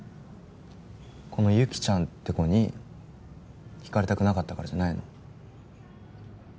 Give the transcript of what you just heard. この雪ちゃんって子に引かれたくなかったからじゃないの？